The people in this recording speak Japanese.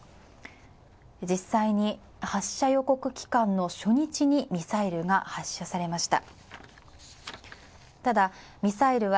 実際に発射予告期間の初日にミサイルが発射されました。